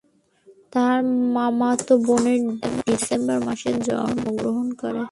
তার মামাতো বোন ডিসেম্বর মাসে জন্মগ্রহণ করে।